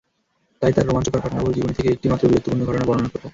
তাই তার রোমাঞ্চকর ঘটনাবহুল জীবনী থেকে একটি মাত্র বীরত্বপূর্ণ ঘটনা বর্ণনা করব।